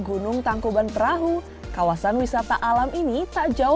curug atau air terjun curug layu